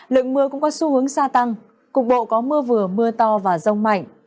lượng mưa cũng có xu hướng xa tăng cục bộ có mưa vừa mưa to và rông mạnh